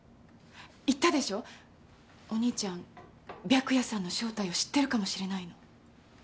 言ったでしょお兄ちゃん白夜さんの正体を知ってるかもしれないの。